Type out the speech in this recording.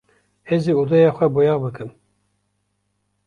Ez ê odeya xwe boyax bikim.